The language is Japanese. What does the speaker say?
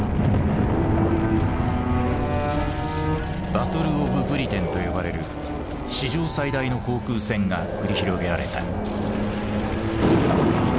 バトル・オブ・ブリテンと呼ばれる史上最大の航空戦が繰り広げられた。